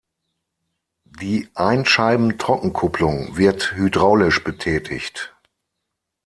Die Einscheiben-Trockenkupplung wird hydraulisch betätigt.